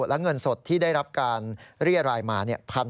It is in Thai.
และเงินสดที่ได้รับการเรียรายมา